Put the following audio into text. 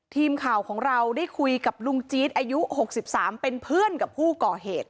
ทีมข่าวของเราได้คุยกับลุงจี๊ดอายุ๖๓เป็นเพื่อนกับผู้ก่อเหตุ